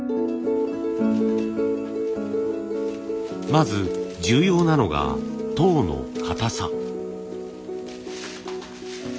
まず重要なのが籐のかたさ。